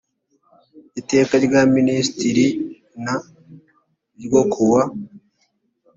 iteka rya minisitiri n ryo ku wa